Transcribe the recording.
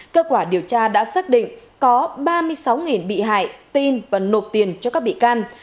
kết quả điều tra đã xác định có ba mươi sáu bị hại tin và nộp tiền cho các bị can